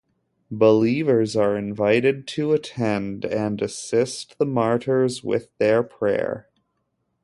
Believers are invited to attend and assist the martyrs with their prayers.